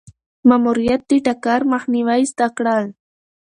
ماموریت د ټکر مخنیوی زده کړل.